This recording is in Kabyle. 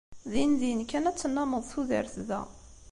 Dindin kan ad tennameḍ tudert da.